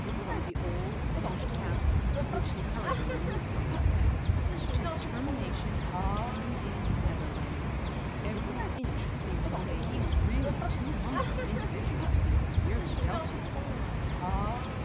From the old, pinched hat, — which he hurriedly removed from his head, — to the termination of the tumed in nether limbs, every inch seemed to say he was really too humble an individual to be severely dealt with